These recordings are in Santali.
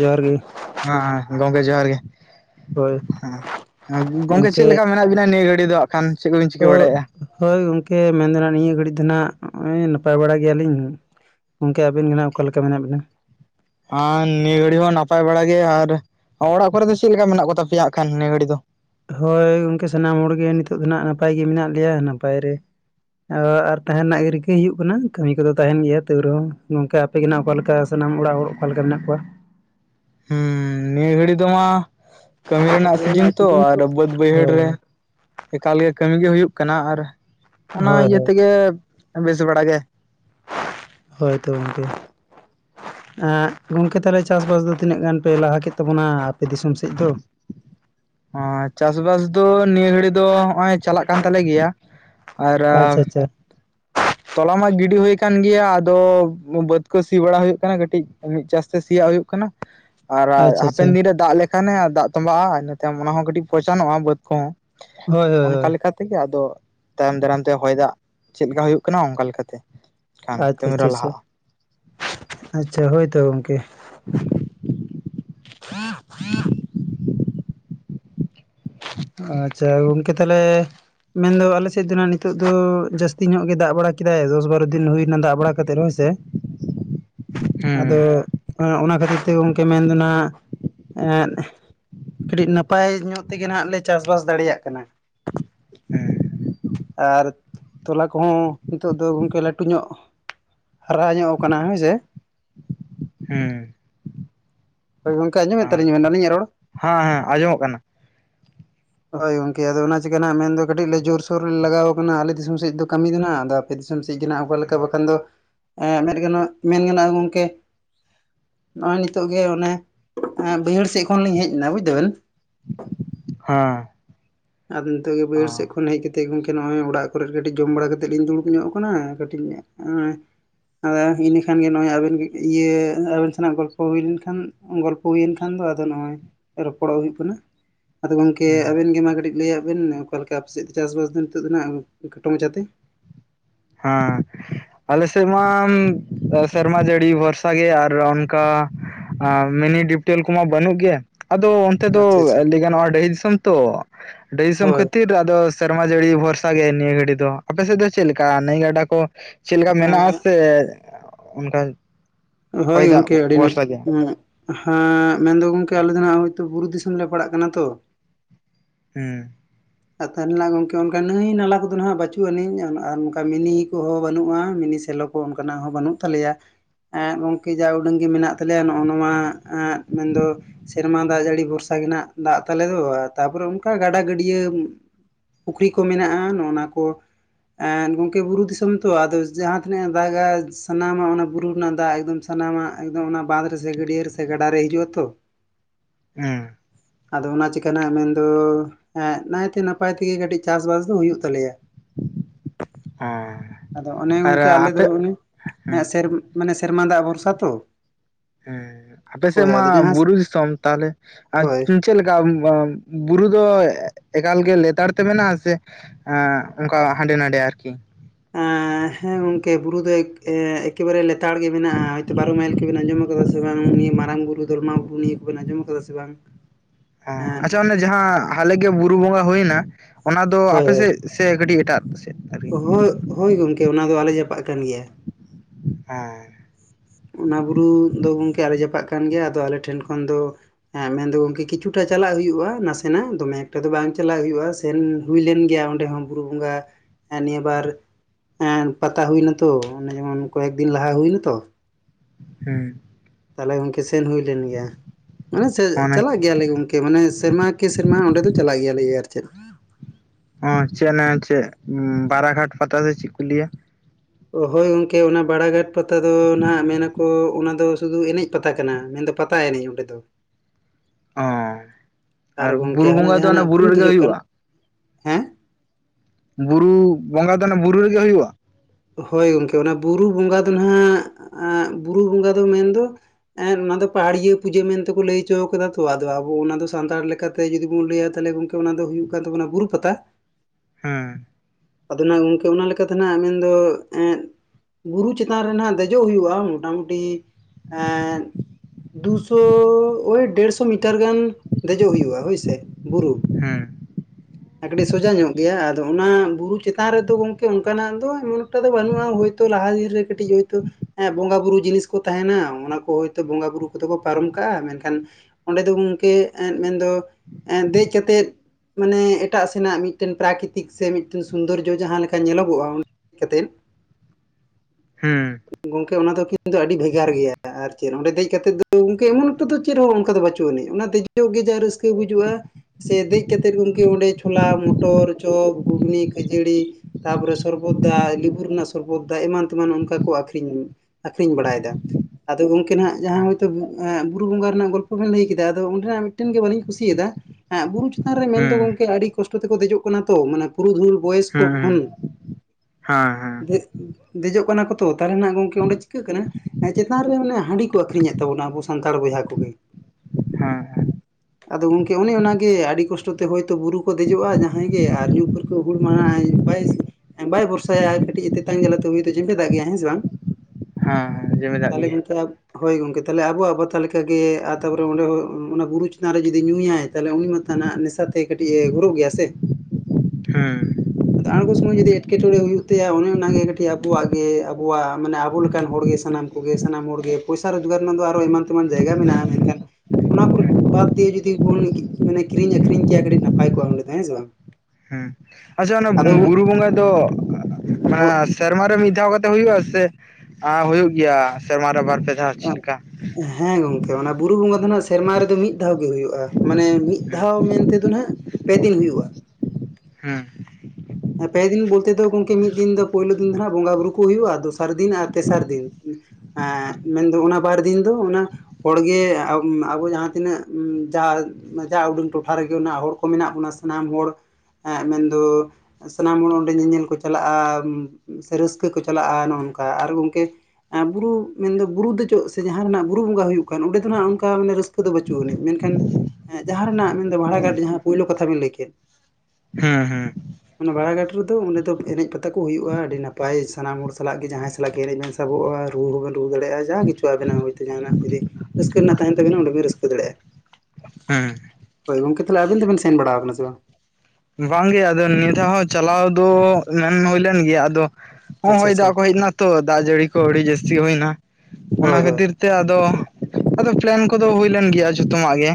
ᱡᱚᱦᱟᱨ ᱜᱮ᱾ ᱦᱟᱸ ᱜᱚᱝᱠᱮ ᱡᱚᱦᱟᱨ ᱜᱮ, ᱦᱳᱭ ᱦᱟ ᱜᱚᱝᱠᱮ ᱪᱮᱜ ᱜᱚᱢᱠᱮ ᱞᱮᱠᱟ ᱢᱮᱱᱟᱜ ᱢᱮᱱᱟᱜ ᱵᱤᱱᱟ ᱱᱤᱭᱟᱹ ᱜᱟᱹᱲᱤ ᱫᱚ ᱟᱠ ᱠᱷᱟᱱ ᱪᱮᱜ ᱠᱚᱵᱤᱱ ᱪᱤᱠᱟᱹ ᱛᱚ ᱵᱟᱲᱟᱭᱭᱟᱜᱼᱟ? ᱦᱳᱭ ᱜᱚᱝᱠᱮ ᱢᱮᱱᱮᱫ ᱱᱤᱭᱟᱹ ᱜᱷᱟᱹᱲᱤᱡ ᱫᱚ ᱱᱟᱦᱟᱜ ᱱᱟᱯᱟᱭ ᱵᱟᱲᱟ ᱜᱮᱭᱟᱞᱤᱧ᱾ ᱜᱚᱝᱠᱮ ᱟᱵᱤᱱ ᱜᱮ ᱱᱟᱜ ᱚᱠᱟ ᱞᱮᱠᱟ ᱢᱮᱱᱟᱜ ᱵᱤᱱᱟ? ᱟᱨ ᱱᱤᱭᱟᱹ ᱜᱷᱟᱹᱲᱤᱡ ᱦᱚᱸ ᱱᱟᱯᱟᱭ ᱵᱟᱲᱟ ᱜᱮ ᱟᱨ, ᱚᱲᱟᱜ ᱠᱚᱨᱮ ᱫᱚ ᱪᱮᱜ ᱞᱮᱠᱟ ᱢᱮᱱᱟᱜ ᱠᱚᱛᱟ ᱯᱮᱭᱟ ᱦᱟᱸᱜ ᱠᱷᱟᱱ ᱱᱤᱭᱟᱹ ᱜᱷᱟᱹᱲᱤᱡ ᱫᱚ? ᱦᱳᱭ ᱜᱚᱝᱠᱮ ᱥᱟᱱᱟᱢ ᱦᱚᱲ ᱜᱮ ᱱᱤᱛᱚᱜ ᱫᱚ ᱱᱟᱜ ᱱᱟᱯᱟᱭ ᱜᱮ ᱢᱤᱱᱟᱜ ᱞᱮᱭᱟ, ᱱᱟᱯᱟᱭ ᱨᱮ ᱳ ᱟᱨ ᱛᱟᱦᱮᱱ ᱨᱮᱱᱟᱜ ᱜᱮ ᱨᱤᱠᱟᱹᱭ ᱦᱩᱭᱩᱜ ᱠᱟᱱᱟ ᱠᱟᱹᱢᱤ ᱠᱚᱫᱚ ᱛᱟᱦᱮᱱ ᱜᱮᱭᱟ ᱛᱟᱹᱣ ᱨᱮᱦᱚᱸ ᱱᱚᱝᱠᱟ ᱜᱚᱝᱠᱮ ᱟ ᱯᱮᱜᱮᱱᱟᱦ ᱚᱠᱟᱞᱮᱠᱟ ᱥᱟᱱᱟᱢ ᱚᱲᱟᱜ ᱦᱚᱲ ᱚᱠᱟᱞᱮᱠᱟ ᱢᱮᱱᱟᱜ ᱠᱚᱣᱟ? ᱦᱸ ᱱᱤᱭᱟᱹ ᱜᱷᱟᱹᱲᱤ ᱫᱚᱶᱟ ᱠᱟᱹᱢᱤ ᱨᱮᱱᱟᱜ ᱦᱳᱭ ᱥᱤᱡᱮᱱ ᱛᱚ, ᱟᱨ ᱵᱟᱹᱫᱽ ᱵᱟᱹᱭᱦᱟᱹᱲ ᱦᱳᱭ ᱨᱮ ᱮᱠᱟᱞᱤᱭᱟᱹ ᱠᱟᱹᱢᱤᱜᱮ ᱦᱩᱭᱩᱜ ᱠᱟᱱᱟ, ᱟᱨ ᱚᱱᱟ ᱦᱳᱭ ᱤᱭᱟᱹ ᱛᱮᱜᱮ ᱵᱮᱥ ᱵᱟᱲᱟ ᱜᱮ᱾ ᱦᱳᱭ ᱛᱚ ᱜᱚᱝᱠᱮ ᱮᱸᱜ ᱜᱚᱝᱠᱮ ᱛᱟᱦᱞᱮ ᱪᱟᱥᱼᱵᱟᱥ ᱫᱚ ᱛᱤᱱᱟᱹᱜ ᱜᱟᱱ ᱯᱮ ᱞᱟᱦᱟ ᱠᱮᱫ ᱛᱟᱵᱚᱱᱟ, ᱟᱯᱮ ᱫᱤᱥᱚᱢ ᱥᱮᱫ ᱫᱚ? ᱚᱸ ᱪᱟᱥᱼᱵᱟᱥ ᱫᱚ ᱱᱤᱭᱟᱹ ᱜᱷᱟᱹᱲᱤ ᱫᱚ ᱦᱚᱸᱜᱼᱚᱭ ᱪᱟᱞᱟᱜ ᱠᱟᱱ ᱛᱟᱞᱮ ᱜᱮᱭᱟ᱾ ᱟᱪᱪᱷᱟ ᱟᱪᱪᱷᱟ [unintelligible] ᱛᱚᱞᱟ ᱢᱟ ᱜᱤᱰᱤ ᱦᱩᱭᱼᱠᱟᱱ ᱜᱮᱭᱟ ᱟᱫᱚ ᱵᱟᱹᱫᱽ ᱠᱚ ᱥᱤ ᱵᱟᱲᱟ ᱦᱩᱭᱩᱜ ᱠᱟᱱᱟ ᱠᱟᱹᱴᱤᱡ ᱢᱤ ᱪᱟᱥ ᱛᱮ ᱥᱤᱭᱟᱜ ᱦᱩᱭᱩᱜ ᱠᱟᱱᱟ᱾ ᱟᱨ ᱟᱪᱪᱷᱟ ᱟᱪᱪᱷᱟ ᱦᱟᱯᱮᱱ ᱫᱤᱱᱨᱮ ᱫᱟᱜ ᱞᱮᱠᱷᱟᱱᱮ ᱫᱟᱜ ᱛᱚᱸᱵᱟᱜᱼᱟ ᱤᱱᱟᱹ ᱚᱱᱟ ᱦᱚᱸ ᱠᱟᱹᱴᱤᱡ ᱯᱚᱪᱟᱱᱚᱜᱼᱟ ᱵᱟᱹᱫ ᱠᱚᱦᱚᱸ ᱦᱳᱭ ᱦᱳᱭ ᱚᱱᱠᱟ ᱦᱳᱭ ᱞᱮᱠᱟᱛᱮ ᱴᱷᱤᱜᱮᱭᱟ ᱟᱫᱚ ᱛᱟᱭᱚᱢ ᱫᱟᱨᱟᱢ ᱛᱮ ᱦᱚᱭ ᱫᱟᱜ ᱪᱮᱫ ᱞᱮᱠᱟ ᱦᱩᱭᱩᱜ ᱠᱟᱱᱟ, ᱚᱱᱠᱟ ᱞᱮᱠᱟᱛᱮ ᱠᱷᱟᱱ ᱠᱟᱹᱢᱤᱨᱮ ᱟᱛᱷᱼᱪᱷᱟᱪᱟ ᱞᱟᱦᱟᱜᱼᱟ ᱟᱪᱷᱟ ᱦᱳᱭ ᱛᱚ ᱜᱚᱝᱠᱮ ᱾ [inaudible] [unintelligible] ᱟᱪᱟ ᱜᱚᱝᱠᱮ ᱛᱟᱞᱦᱮ ᱢᱮᱱ ᱫᱚ ᱟᱞᱮ ᱥᱮᱫ ᱫᱚ ᱱᱟᱦᱟᱸᱜ ᱱᱮᱛᱚᱜ ᱫᱚ ᱡᱟᱹᱥᱛᱤ ᱧᱚᱜ ᱜᱮ ᱫᱟᱜ ᱵᱟᱲᱟ ᱠᱮᱫᱟᱭ, ᱫᱚᱥ ᱵᱟᱨᱚ ᱫᱤᱱ ᱦᱩᱭᱱᱟ ᱫᱟᱜ ᱵᱟᱲᱟ ᱠᱟᱛᱮᱫ ᱦᱳᱭ ᱥᱮ᱾ [inaudible] ᱟᱫᱚ ᱦᱩᱸ ᱚᱱᱟ ᱠᱷᱟᱹᱛᱤᱨ ᱛᱮ ᱜᱮ ᱜᱚᱝᱠᱮ ᱢᱮᱱ ᱫᱚ ᱱᱟᱦᱟᱸᱜ ᱮᱸᱫ ᱠᱟᱹᱴᱤᱡ ᱱᱟᱯᱟᱭ ᱧᱚᱜ ᱛᱮᱜᱮ ᱱᱟᱦᱟᱸᱜ ᱞᱮ ᱪᱟᱥᱵᱟᱥ ᱫᱟᱲᱮᱭᱟᱜ ᱠᱟᱱᱟ ᱦᱚᱸ ᱟᱨ ᱛᱚᱞᱟ ᱠᱚᱦᱚᱸ ᱱᱤᱛᱚᱜ ᱫᱚ ᱜᱚᱝᱠᱮ ᱞᱟᱹᱴᱩ ᱧᱚᱜ ᱦᱟᱨᱟ ᱧᱚᱜ ᱟᱠᱟᱱᱟ ᱦᱮᱸ ᱥᱮ, ᱦᱮᱸ ᱦᱚᱭ ᱜᱚᱸ ᱟ ᱦᱟᱸᱻ ᱟᱸᱡᱚᱢᱚᱜ ᱠᱟᱱᱟ ᱦᱳᱭ ᱜᱚᱝᱠᱮ ᱟᱫᱚ ᱚᱱᱟ ᱪᱤᱠᱟ ᱱᱟᱜ ᱢᱮᱱᱫᱚ ᱠᱟᱹᱴᱤᱡ ᱞᱮ ᱡᱳᱨᱥᱳᱨ ᱞᱮ ᱞᱟᱜᱟᱣ ᱟᱠᱟᱱᱟ ᱟᱞᱮ ᱫᱤᱥᱚᱢ ᱥᱮᱫ ᱫᱚ ᱠᱟᱹᱢᱤ ᱫᱚ ᱱᱟᱦᱟᱜ ᱟᱫᱚ [inaudible] ᱫᱤᱥᱚᱢ ᱥᱮᱜ ᱜᱮ ᱱᱟᱜ ᱚᱠᱟ ᱞᱮᱠᱟ ᱵᱟᱠᱷᱟᱱ ᱫᱚ ᱮᱜ ᱢᱮᱱ ᱜᱮ ᱱᱟᱜ ᱢᱮᱱ ᱜᱟᱱᱚᱜᱼᱟ ᱜᱚᱝᱠᱮ ᱱᱚᱜᱼᱚᱭ ᱱᱤᱛᱳᱜ ᱜᱮ ᱚᱱᱮ ᱵᱟᱹᱭᱦᱟᱹᱲ ᱥᱮᱫ ᱠᱷᱚᱱᱞᱤᱧ ᱦᱮᱡᱱᱟ ᱵᱩᱡᱽ ᱫᱟᱹ ᱵᱤᱱ? ᱦᱮᱸ ᱟᱫᱚ ᱱᱤᱛᱚᱜ ᱵᱟᱹᱭᱟᱹᱲ ᱥᱮᱜ ᱠᱷᱚᱱ ᱦᱮᱡ ᱠᱟᱛ ᱮ ᱜᱚᱝᱠᱮ ᱱᱚᱜᱼᱚᱭ ᱚᱲᱟᱜ ᱠᱚᱨᱮ ᱠᱟᱹᱴᱤᱡ ᱡᱚᱢ ᱵᱟᱲᱟ ᱠᱟᱛᱮᱫ ᱞᱤᱧ ᱫᱩᱲᱩᱵ ᱧᱚᱜ ᱠᱟᱱᱟ ᱠᱟᱹᱴᱤᱡ [inaudible] ᱟᱫᱚ ᱤᱱᱟᱹ ᱠᱷᱟᱱ ᱜᱮ ᱱᱚᱜᱼᱚᱭ ᱟᱵᱮᱱ ᱤᱭᱟᱹ ᱟᱵᱮᱱ ᱥᱟᱱᱟᱜ ᱜᱚᱞᱯᱷᱚ ᱦᱩᱭ ᱞᱮᱱᱠᱷᱟᱱ ᱜᱚᱞᱯᱚ ᱦᱩᱭᱮᱱ ᱠᱷᱟᱱ ᱫᱚ ᱟᱫᱚ ᱱᱚᱜᱼᱚᱭ ᱨᱚᱯᱚᱲᱚᱜ ᱦᱩᱭᱩᱜ ᱠᱟᱱᱟ᱾ ᱟᱫᱚ ᱜᱚᱝᱠᱮ ᱦᱮᱸ ᱟᱵᱮᱱ ᱜᱮ ᱢᱟ ᱠᱟᱹᱴᱤᱡ ᱞᱟᱹᱭᱟᱜ ᱵᱤᱱ ᱚᱠᱟᱞᱮᱠᱟ? ᱟᱯᱮ ᱥᱮᱫ ᱫᱚ ᱪᱟᱥᱵᱟᱥ ᱫᱚ ᱱᱤᱛᱚᱜ ᱫᱚ ᱱᱟᱜ ᱠᱷᱟᱴᱚ ᱢᱟᱪᱷᱟᱛᱮ ᱦᱟᱸ ᱟᱞᱮ ᱥᱮᱫ ᱢᱟ ᱥᱮᱨᱢᱟ ᱡᱟᱹᱲᱤ ᱵᱷᱚᱨᱥᱟ ᱜᱮ ᱟᱨ ᱚᱱᱠᱟ ᱟ ᱢᱤᱱᱤ ᱰᱤᱯᱴᱮᱞ ᱠᱚᱢᱟ ᱵᱟᱹᱱᱩᱜ ᱜᱮ ᱟᱫᱚ ᱛᱮ ᱫᱚ ᱟᱪᱪᱷᱟ ᱟᱪᱪᱷᱟ ᱞᱟᱹᱭ ᱜᱟᱱᱚᱜᱼᱟ ᱰᱟᱦᱤ ᱫᱤᱥᱚᱢ ᱛᱚ, ᱰᱟᱦᱤ ᱫᱤᱥᱚᱢ ᱦᱳᱭ ᱠᱷᱟᱹᱛᱤᱨ ᱫᱚ ᱥᱮᱨᱢᱟ ᱡᱟᱹᱲᱤ ᱵᱷᱚᱨᱥᱟ ᱜᱮ ᱱᱤᱭᱟᱹ ᱜᱷᱟᱹᱲᱤ ᱫᱚ ᱟᱯᱮ ᱥᱮᱫ ᱫᱚ ᱪᱮᱫ ᱞᱮᱠᱟ? ᱱᱟᱹᱭ ᱜᱟᱰᱟ ᱠᱚ ᱪᱮᱫᱞᱮᱠᱟ ᱢᱮᱱᱟᱜᱼᱟᱥᱮ ᱚᱱᱠᱟ ᱦᱳᱭ ᱦᱚᱭ ᱫᱟᱜ ᱜᱚᱝᱠᱮ ᱟᱹᱰᱤ ᱱᱟ ᱵᱷᱚᱨᱥᱟ ᱜᱮ ᱩᱸ ᱦᱟᱸ ᱢᱮᱱᱫᱚ ᱜᱚᱝᱠᱮ ᱟᱞᱮ ᱫᱚ ᱱᱟᱦᱟᱸᱜ ᱦᱚᱭᱛᱚ ᱵᱩᱨᱩ ᱫᱤᱥᱚᱢ ᱞᱮ ᱯᱟᱲᱟᱜ ᱠᱟᱱᱟ ᱛᱚ, ᱦᱩᱸ ᱟᱨ ᱛᱟᱞᱦᱮ ᱱᱟᱜ ᱜᱚᱝᱠᱮ ᱚᱱᱠᱟ ᱱᱟᱹᱭ ᱱᱟᱞᱟ ᱠᱚᱫᱚ ᱱᱟᱦᱟᱸᱜ ᱵᱟᱹᱪᱩᱜ ᱟᱹᱱᱤᱡ, ᱟᱨ ᱱᱚᱝᱠᱟ ᱢᱤᱱᱤ ᱠᱚᱦᱚᱸ ᱵᱟᱹᱱᱩᱜᱼᱟ ᱢᱤᱱᱤ ᱥᱮᱞᱚ ᱚᱱᱠᱟᱱᱟᱜ ᱦᱚᱸ ᱵᱟᱹᱱᱩᱜ ᱛᱟᱞᱮᱭᱟ [inaudible] ᱜᱚᱢᱠᱮ ᱡᱟ ᱩᱰᱟᱹᱝᱜᱤ ᱢᱮᱱᱟᱜ ᱛᱟᱞᱮᱭᱟ ᱱᱚᱜᱼᱚ ᱱᱚᱣᱟᱜ ᱢᱮᱱᱫᱚ [inaudible] ᱥᱮᱨᱢᱟ ᱫᱟᱜ ᱡᱟᱹᱲᱤ ᱵᱷᱚᱨᱥᱟ ᱜᱮ ᱨᱮᱱᱟᱜ ᱫᱟᱜ ᱛᱟᱞᱮ ᱫᱚ ᱛᱟᱯᱚᱨᱮ ᱚᱱᱠᱟ ᱜᱟᱰᱟ ᱜᱟᱹᱰᱭᱟᱹ [inaudible] ᱯᱩᱠᱷᱨᱤ ᱠᱚ ᱢᱮᱱᱟᱜᱼᱟ ᱱᱚᱜᱼ ᱱᱟ ᱠᱚ [inaudible] ᱜᱚᱝᱠᱮ ᱵᱩᱨᱩ ᱫᱤᱥᱚᱢ ᱛᱚ ᱟᱫᱚ ᱡᱟᱦᱟᱸ ᱛᱤᱱᱟᱹᱜ ᱫᱟᱜᱟ ᱥᱟᱱᱟᱢᱟᱜ ᱚᱱᱟ ᱵᱩᱨᱩ ᱨᱮᱱᱟᱜ ᱫᱟᱜ ᱮᱠᱫᱚᱢ [inaudible] ᱥᱟᱱᱟᱢᱟᱜ ᱮᱠᱫᱚᱢ ᱚᱱᱟ ᱵᱟᱸᱫᱷ ᱨᱮ ᱥᱮ ᱜᱟᱹᱰᱭᱟᱹ ᱨᱮ ᱥᱮ ᱜᱟᱰᱟᱨᱮ ᱦᱤᱡᱩᱜ ᱟ ᱛᱚ [inaudible] [inaudible] ᱦᱮᱸ [unintelligible] ᱟᱫᱚ ᱚᱱᱟ ᱪᱤᱠᱟᱹᱱᱟᱜ ᱢᱮᱱᱫᱚ [inaudible] ᱱᱟᱛᱮ ᱱᱟᱯᱟᱭ ᱛᱮᱜᱮ ᱠᱟᱹᱴᱤᱡ ᱪᱟᱥᱵᱟᱥ ᱫᱚ ᱦᱩᱭᱩᱜ ᱛᱟᱞᱮᱭᱟ [inaudible] ᱚᱸ [inaudible] ᱟᱫᱚ ᱚᱱᱮ ᱜᱚᱝᱠᱮ ᱟᱞᱮ ᱫᱚ ᱚᱱᱮ ᱦᱮ ᱦᱮᱸ ᱥᱮᱨ ᱢᱟᱱᱮ ᱥᱮᱨᱢᱟ ᱫᱟᱜ ᱵᱷᱚᱨᱥᱟ ᱛᱚ [unintelligible] ᱦᱮᱸ ᱟᱯᱮ ᱥᱮᱫ ᱦᱳᱭ ᱢᱟ ᱟᱫᱚ ᱡᱟᱦᱟᱸ ᱵᱩᱨᱩ ᱫᱤᱥᱚᱢ ᱛᱟᱦᱞᱮ ᱟᱨ ᱦᱳᱭ [unintelligible] ᱪᱮᱫ ᱞᱮᱠᱟ ᱵᱩᱨᱩ ᱫᱚ ᱮᱠᱟᱞ ᱜᱮ ᱞᱮᱛᱟᱲ ᱛᱮ ᱢᱮᱱᱟᱜ ᱥᱮ‌? ᱟᱸ ᱚᱱᱠᱟ ᱦᱟᱸᱰᱮ ᱱᱟᱰᱮ ᱟᱨᱠᱤ ᱩᱸᱻ ᱦᱮᱸ ᱜᱚᱝᱠᱮ ᱵᱩᱨᱩ ᱫᱚ ᱮᱠᱮᱵᱟᱨᱮ ᱞᱮᱛᱟᱲ ᱜᱮ ᱢᱮᱱᱟᱜᱼᱟ, ᱦᱚᱭᱛᱳ ᱵᱟᱨᱚ ᱢᱟᱭᱮᱞ ᱠᱚᱵᱮᱱ ᱟᱸᱡᱚᱢ ᱟᱠᱟᱫᱟ ᱥᱮ ᱥᱮ ᱵᱟᱝ ᱱᱤᱭᱟᱹ ᱢᱟᱨᱟᱝ ᱵᱩᱨᱩ ᱫᱚᱞᱢᱟ ᱵᱩᱨᱩ ᱱᱤᱭᱟᱹ ᱠᱚᱵᱮᱱ ᱟᱸᱡᱚᱢ ᱟᱠᱟᱫᱟ ᱥᱮ ᱵᱟᱝ [inaudible] ᱚ ᱮᱸ ᱟᱪᱪᱷᱟ ᱚᱱᱮ ᱡᱟᱦᱟᱸ ᱦᱟᱞᱮᱜᱮ ᱵᱩᱨᱩ ᱵᱚᱸᱜᱟ ᱦᱩᱭᱮᱱᱟ ᱚᱱᱟ ᱫᱚ ᱟᱯᱮ ᱥᱮᱫ [inaudible] ᱥᱮ ᱜᱟᱹᱰᱤ ᱮᱴᱟᱜ ᱥᱮᱫ [inaudible] ᱦᱭ ᱦᱳᱭ ᱜᱚᱢᱠᱮ ᱚᱱᱟ ᱫᱚ ᱟᱞᱮ ᱡᱟᱯᱟᱜ ᱠᱟᱱ ᱜᱮᱭᱟ ᱦᱮᱸ᱾ ᱚᱱᱟ ᱵᱩᱨᱩ ᱫᱚ ᱜᱚᱢᱠᱮ ᱟᱞᱮ ᱡᱟᱯᱟᱜ ᱠᱟᱱ ᱜᱮᱭᱟ ᱟᱫᱚ ᱟᱞᱮ ᱴᱷᱮᱱ ᱠᱷᱚᱱ ᱫᱚ ᱦᱮᱸ ᱢᱮᱱᱫᱚ ᱜᱚᱢᱠᱮ ᱠᱤᱪᱷᱩᱴᱟ ᱪᱟᱞᱟᱜ ᱦᱩᱭᱩᱜᱼᱟ ᱱᱟᱥᱮᱱᱟᱜ ᱫᱚᱢᱮ ᱮᱠᱴᱟ ᱫᱚ ᱵᱟᱝ ᱪᱟᱞᱟᱜ ᱦᱩᱭᱩᱜᱼᱟ ᱥᱮᱱ ᱦᱩᱭ ᱞᱮᱱ ᱜᱮᱭᱟ ᱚᱸᱰᱮ ᱦᱚᱸ ᱵᱩᱨᱩ ᱵᱚᱸᱜᱟ ᱱᱤᱭᱟᱹ ᱵᱟᱨ ᱮᱸ ᱯᱟᱛᱟ ᱦᱩᱭ ᱱᱟ ᱛᱚ ᱚᱱᱮ ᱡᱮᱢᱚᱱ ᱠᱚᱭᱮᱠ ᱫᱤᱱ ᱞᱟᱦᱟ ᱦᱩᱭᱱᱟ ᱛᱚ ᱦᱮᱸ ᱛᱟᱦᱚᱞᱮ ᱜᱚᱢᱠᱮ ᱥᱮᱱ ᱦᱩᱭ ᱞᱮᱱ ᱜᱮᱭᱟ ᱢᱟᱱᱮ ᱚᱱᱮ ᱪᱟᱞᱟᱜ ᱜᱮᱭᱟᱞᱮ ᱜᱮ ᱜᱚᱢᱠᱮ ᱮᱠᱮ ᱢᱟᱱᱮ ᱥᱮᱨᱢᱟ ᱠᱮ ᱥᱮᱨᱢᱟ ᱚᱸᱰᱮ ᱫᱚ ᱪᱟᱞᱟᱜ ᱜᱮᱭᱟᱞᱮᱭᱟ ᱟᱨ ᱪᱮᱫ ᱚ ᱟᱪᱪᱷᱟ ᱚᱱᱮ ᱪᱮᱫ ᱵᱟᱨᱟ ᱜᱷᱟᱴ ᱯᱟᱛᱟ ᱥᱮ ᱪᱮᱫ ᱠᱚ ᱞᱟᱹᱭᱟ ᱦᱳᱭ ᱜᱚᱢᱠᱮ ᱚᱱᱟ ᱵᱟᱲᱟᱜᱷᱟᱴ ᱯᱟᱛᱟ ᱫᱚ ᱱᱟᱦᱟᱜ ᱢᱮᱱᱟᱠᱚ ᱚᱱᱟ ᱫᱚ ᱥᱩᱫᱩ ᱮᱱᱮᱡ ᱯᱟᱛᱟ ᱠᱟᱱᱟ ᱢᱮᱱᱫᱚ ᱯᱟᱛᱟᱱᱤᱡ ᱚᱸᱰᱮ ᱫᱚ ᱚ ᱟᱨ ᱜᱚᱝᱠᱮ ᱵᱩᱨᱩ ᱦᱟᱱᱟ ᱵᱚᱸᱜᱟ ᱫᱚ ᱚᱱᱟ ᱡᱟᱦᱟᱱᱟᱜ ᱵᱩᱨᱩ ᱨᱮᱜᱮ ᱫᱮᱡᱚᱜ ᱠᱟᱱ ᱦᱩᱭᱩᱜᱼᱟ ᱦᱮᱸ ᱵᱩᱨᱩ ᱵᱚᱸᱜᱟ ᱫᱚ ᱚᱱᱮ ᱵᱩᱨᱩ ᱨᱮᱜᱮ ᱦᱩᱭᱩᱜᱼᱟ ᱦᱳᱭ ᱜᱚᱢᱠᱮ ᱚᱱᱟ ᱵᱩᱨᱩ ᱵᱚᱸᱜᱟ ᱫᱚ ᱱᱟᱦᱟᱜ ᱵᱩᱨᱩ ᱵᱚᱸᱜᱟ ᱫᱚ ᱢᱮᱱᱫᱚ ᱮ ᱚᱱᱟ ᱫᱚ ᱯᱟᱦᱟᱲᱤᱭᱟᱹ ᱯᱩᱡᱟᱹ ᱢᱮᱱᱛᱮᱠᱚ ᱞᱟᱹᱭ ᱦᱚᱪᱚ ᱠᱟᱫᱟ ᱛᱚ ᱟᱫᱚ ᱟᱵᱚ ᱚᱱᱟ ᱫᱚ ᱥᱟᱱᱛᱟᱲ ᱞᱮᱠᱟᱛᱮ ᱡᱩᱫᱤ ᱵᱚᱱ ᱞᱟᱹᱭᱟ ᱛᱟᱦᱚᱞᱮ ᱜᱚᱢᱠᱮ ᱚᱱᱟ ᱫᱚ ᱦᱩᱭᱩᱜ ᱠᱟᱱ ᱛᱟᱵᱚᱱᱟ ᱵᱩᱨᱩ ᱯᱟᱛᱟ ᱦᱮᱸ ᱟᱫᱚ ᱦᱟᱜ ᱜᱚᱢᱠᱮ ᱚᱱᱟ ᱞᱮᱠᱟᱛᱮ ᱦᱟᱸᱱᱟᱜ ᱢᱮᱱᱫᱚ ᱮᱸᱜ ᱵᱩᱨᱩ ᱪᱮᱛᱟᱱ ᱨᱮ ᱱᱟᱦᱟᱜ ᱫᱮᱡᱚᱜ ᱦᱩᱭᱩᱜᱼᱟ ᱢᱚᱴᱟᱢᱩᱴᱤ [inaudible] ᱫᱩᱥᱚ ᱳᱭ ᱰᱮᱲᱥᱚ ᱢᱤᱴᱟᱨ ᱜᱟᱱ ᱫᱮᱡᱚᱜ ᱦᱩᱭᱩᱜᱼᱟ ᱦᱳᱭᱥᱮ ᱵᱩᱨᱩ ᱦᱩᱸ᱾ ᱠᱟᱹᱴᱤᱡ ᱥᱚᱡᱟ ᱧᱚᱜ ᱜᱮᱭᱟ ᱟᱫᱚ ᱚᱱᱟ ᱵᱩᱨᱩ ᱪᱮᱛᱟᱱ ᱨᱮᱫᱚ ᱜᱚᱢᱠᱮ ᱚᱱᱠᱟᱱᱟᱜ ᱫᱚ ᱛᱮᱢᱚᱱ ᱮᱠᱴᱟ ᱫᱚ ᱵᱟᱹᱱᱩᱜᱼᱟ ᱦᱚᱭᱛᱚ ᱞᱟᱦᱟ ᱫᱤᱱ ᱨᱮ ᱠᱟᱹᱴᱤᱡ ᱦᱚᱭᱛᱚ ᱦᱮᱸ ᱵᱚᱸᱜᱟᱼ ᱵᱩᱨᱩ ᱡᱤᱱᱤᱥ ᱠᱚ ᱛᱟᱦᱮᱱᱟ ᱚᱱᱟ ᱠᱚ ᱦᱚᱭᱛᱳ ᱵᱚᱸᱜᱟᱼᱵᱩᱨᱩ ᱠᱚᱫᱚ ᱠᱚ ᱯᱟᱨᱚᱢ ᱠᱟᱜᱼᱟ ᱢᱮᱱᱠᱷᱟᱱ ᱚᱸᱰᱮ ᱫᱚ ᱜᱚᱢᱠᱮ ᱮᱸᱜ ᱢᱮᱱᱫᱚ ᱮᱸᱜ ᱫᱮᱡ ᱠᱟᱛᱮᱫ ᱢᱟᱱᱮ ᱮᱴᱟᱜ ᱥᱮᱱᱟᱜ ᱢᱤᱫᱴᱮᱱ ᱯᱨᱟᱠᱤᱛᱤᱠ ᱥᱮ ᱢᱤᱫᱴᱮᱱ ᱥᱳᱱᱫᱚᱨᱡᱚ ᱡᱟᱦᱟᱸᱮ ᱞᱮᱠᱟ ᱧᱮᱞᱚᱜᱚᱜᱼᱟ ᱠᱟᱛᱮᱛ ᱦᱩᱸ ᱜᱚᱢᱠᱮ ᱚᱱᱟ ᱫᱚ ᱠᱤᱱᱛᱩ ᱟᱹᱰᱤ ᱵᱷᱮᱜᱟᱨ ᱜᱮᱭᱟ ᱟᱨ ᱪᱮᱫ ᱚᱸᱰᱮ ᱫᱮᱡ ᱠᱟᱛᱮᱫ ᱫᱚ ᱜᱚᱢᱠᱮ ᱮᱢᱚᱱ ᱮᱠᱴᱟ ᱫᱚ ᱪᱮᱫ ᱦᱚᱸ ᱚᱱᱠᱟ ᱫᱚ ᱵᱟᱹᱪᱩᱜ ᱟᱹᱱᱤᱡ ᱚᱱᱟ ᱫᱮᱡᱚᱜ ᱜᱮ ᱡᱟ ᱨᱟᱹᱥᱠᱟᱹ ᱵᱩᱡᱩᱜᱼᱟ ᱥᱮ ᱫᱮᱡ ᱠᱟᱛᱮᱫ ᱜᱚᱢᱠᱮ ᱚᱸᱰᱮ ᱪᱷᱳᱞᱟ ᱢᱚᱴᱚᱨ ᱪᱚᱯ ᱜᱷᱩᱜᱽᱱᱤ ᱠᱷᱟᱹᱡᱟᱹᱲᱤ ᱛᱟᱯᱚᱨᱮ ᱥᱚᱨᱵᱚᱫ ᱞᱤᱵᱩ ᱨᱮᱱᱟᱜ ᱥᱚᱨᱵᱚᱛ ᱫᱟ ᱮᱢᱟᱱ ᱛᱮᱢᱟᱱ ᱚᱱᱠᱟ ᱠᱚ ᱟᱹᱠᱷᱨᱤᱧ ᱵᱟᱲᱟᱭᱟ ᱫᱟ ᱾ ᱟᱫᱚ ᱜᱚᱢᱠᱮ ᱠᱤ ᱱᱟᱦᱟᱜ ᱡᱟᱦᱟᱸ ᱦᱳᱭᱛᱳ [unintelligible] ᱵᱩᱨᱩ ᱵᱚᱸᱜᱟ ᱨᱮᱱᱟᱜ ᱜᱚᱞᱯᱚ ᱵᱮᱱ ᱞᱟᱹᱭ ᱠᱮᱫᱟ ᱟᱫᱚ ᱚᱸᱰᱮᱱᱟᱜ ᱢᱤᱫᱴᱮᱱ ᱜᱮ ᱵᱟᱹᱞᱤᱧ ᱠᱩᱥᱤᱭᱟᱫᱟ ᱵᱩᱨᱩ ᱪᱮᱛᱟᱱ ᱨᱮ ᱢᱮᱱᱫᱚ ᱦᱮᱸ ᱜᱚᱢᱠᱮ ᱟᱹᱰᱤ ᱠᱚᱥᱴᱚ ᱛᱮᱠᱚ ᱫᱮᱡᱚᱜ ᱠᱟᱱᱟ ᱛᱚ ᱢᱟᱱᱮ ᱯᱩᱨᱩᱫᱷᱩᱞ ᱵᱚᱭᱮᱥ ᱦᱮᱸ ᱠᱚ ᱦᱮᱸ ᱠᱷᱚᱱ ᱦᱮᱸ ᱦᱮᱸ ᱮᱡ ᱫᱮᱡᱚᱜ ᱠᱟᱱᱟ ᱠᱚ ᱛᱚ ᱛᱟᱦᱚᱞᱮ ᱱᱟᱜ ᱜᱚᱢᱠᱮ ᱚᱸᱰᱮ ᱪᱤᱠᱟᱹᱜ ᱠᱟᱱᱟ ᱪᱮᱛᱟᱱ ᱨᱮ ᱢᱟᱱᱮ ᱦᱟᱹᱸᱰᱤ ᱠᱚ ᱟᱹᱠᱷᱨᱤᱧᱮᱫ ᱛᱟᱵᱚᱱᱟ ᱟᱵᱚ ᱥᱟᱱᱛᱟᱲ ᱵᱚᱭᱦᱟ ᱠᱚᱜᱮ ᱦᱮᱸ ᱦᱮᱸ ᱟᱫᱚ ᱜᱚᱢᱠᱮ ᱚᱱᱮ ᱚᱱᱟᱜᱮ ᱟᱹᱰᱤ ᱠᱚᱥᱴᱚ ᱛᱮ ᱦᱳᱭᱛᱚ ᱵᱩᱨᱩ ᱠᱚ ᱫᱮᱡᱚᱜᱼᱟ ᱡᱟᱦᱟᱸᱭ ᱜᱮ ᱟᱨ ᱧᱩ [unintelligible] [inaudible] ᱵᱟᱭ ᱵᱷᱚᱨᱥᱟᱭᱟ ᱟᱨ ᱠᱟᱹᱴᱤᱡ ᱛᱮᱛᱟᱝ ᱡᱟᱞᱟᱛᱮ ᱩᱱᱤ ᱫᱚ ᱡᱮᱵᱮᱸᱫ ᱫᱟᱜ ᱜᱮᱭᱟ ᱦᱮᱸ ᱥᱮ ᱵᱟᱝ ᱦᱮᱸ ᱦᱮᱸ ᱡᱚᱢᱮᱫᱟᱜ ᱜᱮ [unintelligible] ᱦᱳᱭ ᱜᱚᱢᱠᱮ ᱛᱟᱦᱚᱞᱮ ᱟᱵᱚᱣᱟᱜ ᱯᱟᱛᱟ ᱞᱮᱠᱟᱜᱮ ᱟᱨ ᱛᱟᱯᱚᱨᱮ ᱚᱸᱰᱮ ᱚᱱᱟ ᱵᱩᱨᱩ ᱪᱮᱛᱟᱱ ᱨᱮ ᱡᱩᱫᱤ ᱧᱩᱭᱟᱭ ᱛᱟᱦᱚᱞᱮ ᱩᱱᱤ ᱢᱟᱛᱚ ᱱᱟᱦᱟᱜ ᱱᱮᱥᱟᱛᱮ ᱠᱟᱹᱴᱤᱡ ᱮ ᱜᱷᱳᱨᱚᱜ ᱜᱮᱭᱟ ᱥᱮ ᱦᱩᱸ ᱟᱫᱚ ᱟᱲᱜᱚ ᱥᱚᱢᱚᱭ ᱡᱩᱫᱤ ᱮᱴᱠᱮ ᱮᱴᱠᱮᱴᱚᱬᱮ ᱦᱩᱭᱩᱜ ᱛᱟᱭᱟ ᱚᱱᱮ ᱚᱱᱟᱜᱮ ᱠᱟᱹᱴᱤᱡ ᱟᱵᱚᱣᱟᱜ ᱜᱮ ᱟᱵᱚᱣᱟᱜ ᱢᱟᱱᱮ ᱟᱵᱚ ᱞᱮᱠᱟᱱ ᱦᱚᱲᱜᱮ ᱥᱟᱱᱟᱢ ᱠᱚᱜᱮ ᱥᱟᱱᱟᱢ ᱦᱚᱲᱜᱮ ᱯᱚᱭᱥᱟ ᱨᱳᱡᱽᱜᱟᱨ ᱨᱮᱱᱟᱜ ᱫᱚ ᱟᱨᱚ ᱮᱢᱟᱱ ᱛᱮᱢᱟᱱ ᱡᱟᱭᱜᱟ ᱢᱮᱱᱟᱜᱼᱟ ᱢᱮᱱᱠᱷᱟᱱ ᱚᱱᱟ ᱠᱚᱨᱮᱜ ᱵᱟᱫ ᱫᱤᱭᱮ ᱡᱩᱫᱤ ᱵᱚᱱ ᱢᱟᱱᱮ ᱠᱤᱨᱤᱧ ᱟᱠᱷᱨᱤᱧ ᱠᱮᱭᱟ ᱠᱟᱹᱴᱤᱡ ᱱᱟᱯᱟᱭ ᱠᱚᱜᱼᱟ ᱚᱸᱰᱮ ᱫᱚ ᱦᱮᱸ ᱥᱮ ᱵᱟᱝ ᱦᱮᱸ ᱟᱪᱪᱷᱟ ᱚᱱᱟ ᱟᱫᱚ ᱵᱩᱨᱩ ᱵᱚᱸᱜᱟ ᱫᱚ ᱢᱟᱱᱮ ᱥᱮᱨᱢᱟᱨᱮ ᱢᱤᱫ ᱫᱷᱟᱣ ᱠᱟᱛᱮ ᱦᱩᱭᱩᱜᱼᱟ ᱥᱮ ᱦᱩᱭᱩᱜ ᱜᱮᱭᱟ ᱥᱮᱨᱢᱟᱨ ᱨᱮ ᱵᱟᱨ ᱯᱮ ᱫᱷᱟᱣ ᱪᱮᱫ ᱞᱮᱠᱟ ᱦᱮᱸ ᱜᱚᱝᱠᱮ ᱚᱱᱟ ᱵᱩᱨᱩ ᱵᱚᱸᱜᱟ ᱫᱚ ᱱᱟᱜ ᱥᱮᱨᱢᱟ ᱨᱮᱫᱚ ᱢᱤᱫ ᱫᱷᱟᱣ ᱜᱮ ᱦᱩᱭᱩᱜᱼᱟ ᱢᱟᱱᱮ ᱢᱤᱫ ᱦᱮᱸ ᱫᱷᱟᱣ ᱢᱮᱱᱛᱮᱫᱚ ᱱᱟᱦᱟᱸᱜ ᱯᱮ ᱫᱤᱱ ᱦᱩᱭᱩᱜᱼᱟ ᱦᱩᱸ ᱯᱮ ᱫᱤᱱ ᱵᱚᱞᱛᱮ ᱫᱚ ᱜᱚᱢᱠᱮ ᱢᱤᱫ ᱫᱤᱱ ᱫᱚ ᱯᱳᱭᱞᱳ ᱫᱤᱱ ᱫᱚ ᱦᱟᱜ ᱵᱚᱸᱜᱟ ᱵᱩᱨᱩ ᱠᱚ ᱦᱩᱭᱩᱜᱼᱟ ᱫᱚᱥᱟᱨ ᱫᱤᱱ ᱟᱨ ᱛᱮᱥᱟᱨ ᱫᱤᱱ ᱮᱸ ᱦᱮᱸ ᱢᱮᱱᱫᱚ ᱚᱱᱟ ᱵᱟᱨ ᱫᱤᱱ ᱫᱚ ᱚᱱᱟ ᱦᱚᱲᱜᱮ ᱟ ᱟᱵᱚ ᱡᱟᱦᱟᱸ ᱛᱤᱱᱟᱹᱜ ᱡᱟᱦᱟᱸ ᱡᱟ ᱩᱰᱟᱹᱝ ᱴᱚᱴᱷᱟ ᱨᱮᱜᱮ ᱚᱱᱟ ᱦᱚᱲ ᱠᱚ ᱢᱮᱱᱟᱜ ᱵᱚᱱᱟ ᱥᱟᱱᱟᱢ ᱦᱚᱲ ᱢᱮᱱᱫᱚ ᱥᱟᱱᱟᱢ ᱦᱚᱲ ᱚᱸᱰᱮ ᱧᱮᱧᱮᱞ ᱠᱚ ᱪᱟᱞᱟᱜᱼᱟ ᱥᱮ ᱨᱟᱹᱥᱠᱟᱹ ᱠᱚ ᱪᱟᱞᱟᱜᱼᱟ ᱱᱚᱜᱼ ᱱᱚᱝᱠᱟ ᱟᱨ ᱜᱚᱢᱠᱮ ᱟᱨ ᱵᱩᱨᱩ ᱢᱮᱱᱫᱚ ᱵᱩᱨᱩ ᱫᱮᱡᱚᱜ ᱥᱮ ᱡᱟᱦᱟᱸ ᱨᱮᱱᱟᱜ ᱵᱩᱨᱩ ᱵᱚᱸᱜᱟ ᱦᱩᱭᱩᱜ ᱠᱟᱱ ᱚᱸᱰᱮ ᱫᱚ ᱦᱟᱜ ᱚᱱᱠᱟ ᱢᱟᱱᱮ ᱨᱟᱹᱥ ᱨᱟᱥᱠᱟᱹ ᱫᱚ ᱵᱟᱹᱪᱩᱜ ᱟᱹᱱᱤᱡ ᱢᱮᱱᱠᱷᱟᱱ ᱡᱟᱦᱟᱸ ᱨᱮᱱᱟᱜ ᱢᱮᱱᱫᱚ ᱵᱷᱟᱲᱟ ᱦᱩᱸ ᱜᱷᱟᱴ ᱡᱟᱦᱟᱸ ᱯᱳᱭᱞᱳ ᱠᱟᱛᱷᱟ ᱵᱮᱱ ᱞᱟᱹᱭ ᱠᱮᱫ ᱦᱩᱸ ᱦᱩᱸ ᱚᱱᱟ ᱵᱟᱲᱟᱜᱟᱴ ᱨᱮᱫᱚ ᱚᱸᱰᱮ ᱫᱚ ᱮᱱᱮᱡ ᱯᱟᱛᱟ ᱠᱚ ᱦᱩᱭᱩᱜᱼᱟ ᱟᱹᱰᱤ ᱱᱟᱯᱟᱭ ᱥᱟᱱᱟᱢ ᱦᱚᱲ ᱥᱟᱞᱟᱜ ᱜᱮ ᱡᱟᱦᱟᱸᱭ ᱥᱟᱞᱟᱜ ᱜᱮ ᱮᱱᱮᱡ ᱵᱮᱱ ᱥᱟᱵᱚᱜᱼᱟ ᱨᱩ ᱦᱚᱸᱵᱮᱱ ᱨᱩ ᱫᱟᱲᱮᱭᱟᱜᱼᱟ ᱡᱟ ᱠᱤᱪᱷᱩ ᱟᱵᱮᱱᱟᱜ ᱦᱚᱭᱳ ᱡᱟᱦᱟᱱᱟᱜ ᱡᱚᱫᱤ ᱨᱟᱹᱥᱠᱟᱹ ᱨᱮᱱᱟᱜ ᱛᱟᱦᱮᱸ ᱛᱟᱵᱤᱱᱟ ᱚᱰᱮ ᱵᱤᱱ ᱨᱟᱹᱠᱟᱹ ᱫᱟᱲᱮᱭᱟᱜᱼᱟ ᱦᱩᱸ ᱦᱳ ᱜᱚᱝᱠᱮ ᱛᱟᱦᱮ ᱟᱵᱤᱱ ᱫᱟᱜ ᱵᱤᱱ ᱥᱮᱱ ᱵᱟᱲᱟᱣ ᱠᱟᱱᱟ ᱥᱮ ᱵᱟᱝ? ᱵᱟᱝᱜᱮ ᱟᱫᱚ ᱱᱤᱣᱟ ᱫᱷᱟᱣ ᱦᱚᱸ ᱪᱟᱞᱟᱣ ᱫᱚ ᱢᱮᱱ ᱦᱩᱭᱞᱮᱱ ᱜᱮᱭᱟ ᱟᱫᱚ ᱦᱚᱸ ᱟᱪᱪᱷᱟ ᱦᱚᱭ ᱟᱪᱪᱷᱟ ᱫᱟᱜ ᱠᱚ ᱦᱮᱡ ᱮᱱᱟ ᱛᱚ ᱫᱟᱜ ᱡᱟᱹᱲᱤ ᱠᱚ ᱟᱹᱰᱤ ᱡᱟᱹᱥᱛᱤ ᱦᱩᱭ ᱱᱟ ᱚᱱᱟ ᱦᱳᱭ ᱦᱳᱭ ᱠᱷᱟᱹᱛᱤᱨ ᱛᱮ ᱟᱫᱚ ᱟᱫᱚ ᱯᱮᱞᱮᱱ ᱠᱚᱫᱚ ᱦᱩᱭ ᱞᱮᱱ ᱜᱮᱭᱟ ᱡᱷᱚᱛᱚ ᱢᱟᱜ ᱜᱮ